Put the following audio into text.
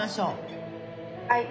はい。